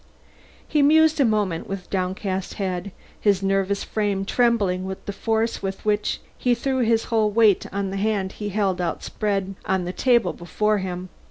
He mused a moment with downcast head, his nervous frame trembling with the force with which he threw his whole weight on the hand he held outspread on the table before him.